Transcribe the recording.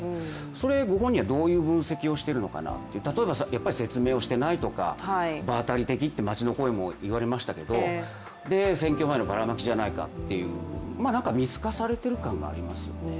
それご本人はどういう分析をしているのかなと例えば説明をちゃんとしていないのか場当たり的、街の声も言われましたけど選挙前のばらまきじゃないかというなんか見透かされている感がありますよね。